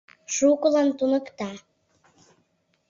Шукылан туныкта.